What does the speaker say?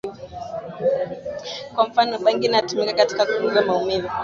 Kwa mfano bangi inatumika katika kupunguza maumivu